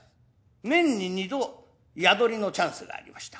年に二度宿下のチャンスがありました。